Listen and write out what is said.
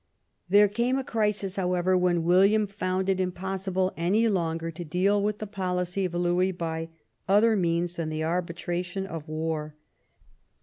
There came a crisis, however, when William found it impossible any longer to deal with the policy of Louis by other means than the arbitration of war.